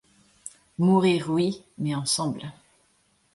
Mourir oui, mais ensemble.